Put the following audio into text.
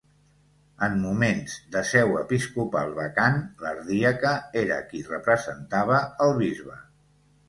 En moments de seu episcopal vacant, l'ardiaca era qui representava el bisbe.